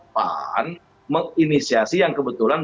pan menginisiasi yang kebetulan